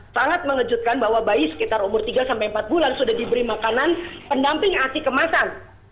sangat mengejutkan bahwa bayi sekitar umur tiga sampai empat bulan sudah diberi makanan pendamping asi kemasan